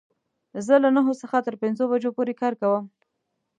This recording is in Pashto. زه له نهو څخه تر پنځو بجو پوری کار کوم